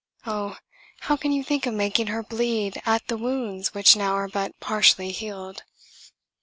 Oh! how can you think of making her bleed at the wounds which now are but partially healed?